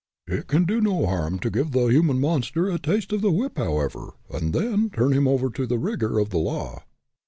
It can do no harm to give the human monster a taste of the whip, however, and then turn him over to the rigor of the law."